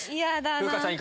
風花さん